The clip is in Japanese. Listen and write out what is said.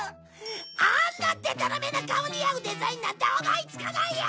あんなでたらめな顔に合うデザインなんて思いつかないよ！